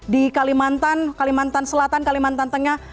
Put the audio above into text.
di kalimantan kalimantan selatan kalimantan tengah